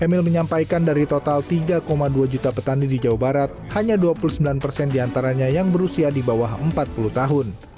emil menyampaikan dari total tiga dua juta petani di jawa barat hanya dua puluh sembilan persen diantaranya yang berusia di bawah empat puluh tahun